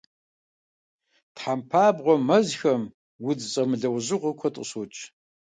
Тхьэмпабгъуэ мэзхэм удз зэмылӀэужьыгъуэ куэд къыщокӀ.